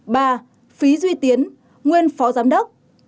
ba phí duy tiến nguyên phó giám đốc